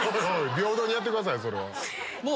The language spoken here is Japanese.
平等にやってくださいよそれは。